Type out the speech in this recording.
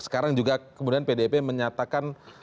sekarang juga kemudian pdip menyatakan